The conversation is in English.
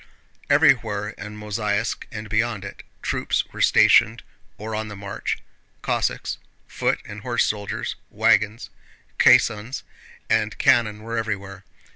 Everywhere in Mozháysk and beyond it, troops were stationed or on the march. Cossacks, foot and horse soldiers, wagons, caissons, and cannon were everywhere.